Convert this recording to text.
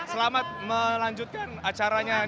selamat melanjutkan acaranya